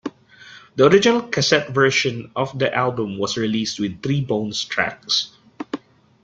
The original cassette version of the album was released with three bonus tracks.